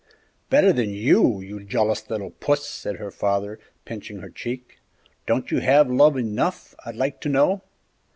"Better than you, you jealous little Puss!" said her father, pinching her cheek; "don't you have love enough, I'd like to know?"